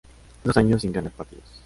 Dos años sin ganar partidos.